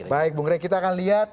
baik bung rey kita akan lihat